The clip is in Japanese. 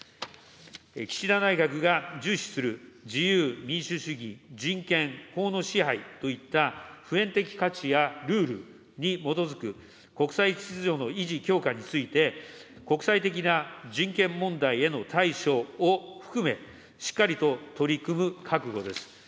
岸田内閣が重視する自由、民主主義、人権、法の支配といった普遍的価値やルールに基づく国際秩序の維持・強化について、国際的な人権問題への対処を含め、しっかりと取り組む覚悟です。